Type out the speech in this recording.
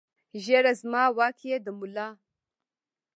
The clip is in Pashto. ږیره زما واک یې د ملا!